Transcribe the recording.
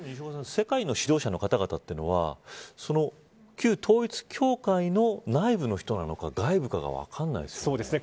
世界の指導者の方々というのは旧統一教会の内部の人なのか外部かが分からないですね。